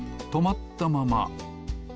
とまったまま。